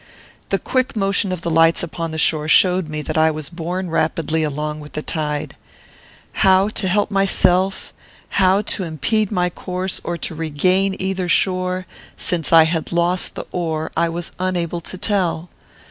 The quick motion of the lights upon the shore showed me that I was borne rapidly along with the tide. How to help myself, how to impede my course or to regain either shore, since I had lost the oar, I was unable to tell.